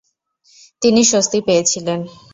তিনি স্বস্তি পেয়েছিলেন।